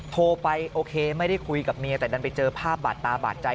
โทรไปโอเคไม่ได้คุยกับเมียแต่ดันไปเจอภาพบาดตาบาดใจ